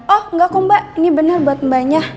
oh gak kok mbak ini bener buat mbaknya